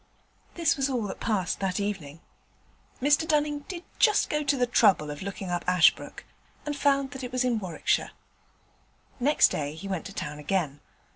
This was all that passed that evening. Mr Dunning did just go to the trouble of looking up Ashbrooke, and found that it was in Warwickshire. Next day he went to town again.